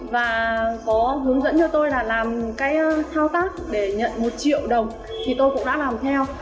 và có hướng dẫn cho tôi là làm cái thao tác để nhận một triệu đồng thì tôi cũng đã làm theo